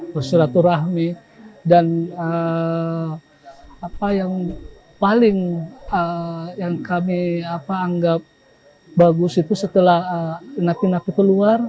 persyaratur rahmi dan apa yang paling yang kami anggap bagus itu setelah naki naki keluar